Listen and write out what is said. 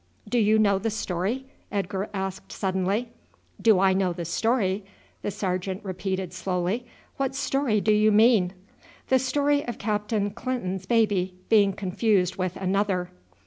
"Do you know the story?" Edgar asked suddenly. "Do I know the story!" the sergeant repeated slowly. "What story do you mean?" "The story of Captain Clinton's baby being confused with another."